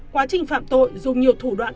quá trình phạm tội dùng nhiều thủ đoạn